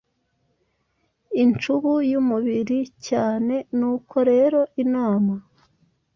Incubu yumubiri cyane, nuko rero inama